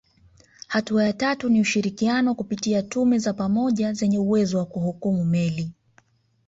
Hatua ya tatu ni ushirikiano kupitia tume za pamoja zenye uwezo wa kuhukumu meli